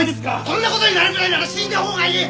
そんな事になるぐらいなら死んだほうがいい！